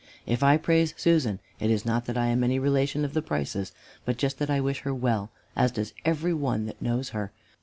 If I praise Susan it is not that I am any relation of the Prices, but just that I wish her well, as does every one that knows her.